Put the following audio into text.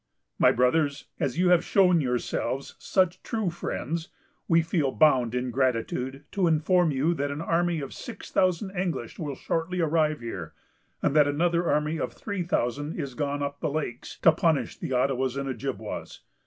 "My Brothers, as you have shown yourselves such true friends, we feel bound in gratitude to inform you that an army of six thousand English will shortly arrive here, and that another army of three thousand is gone up the lakes, to punish the Ottawas and Ojibwas.